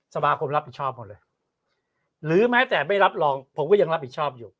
สมาคมรับผิดชอบหมดเลยหรือแม้แต่ไม่รับรองผมก็ยังรับผิดชอบอยู่